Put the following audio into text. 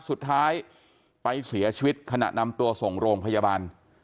สุดท้ายไปเสียชีวิตขณะนำตัวส่งโรงพยาบาล